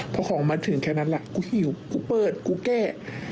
พอของมาถึงแค่นั้นแหละกูหิวกูเปิดกูแก้